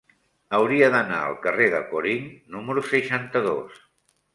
Hauria d'anar al carrer de Corint número seixanta-dos.